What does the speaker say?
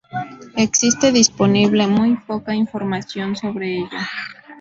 Existe disponible muy poca información sobre ella.